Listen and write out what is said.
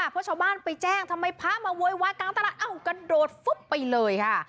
เพราะชาวบ้านไปแจ้งทำไมพระมาโวยวายกลางตลาดเอ้ากระโดดฟุ๊บไปเลยค่ะ